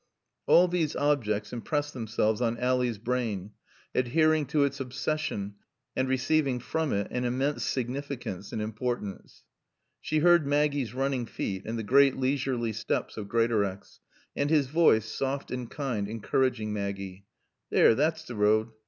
All these objects impressed themselves on Ally's brain, adhering to its obsession and receiving from it an immense significance and importance. She heard Maggie's running feet, and the great leisurely steps of Greatorex, and his voice, soft and kind, encouraging Maggie. "Theer that's t' road.